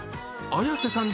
綾瀬さん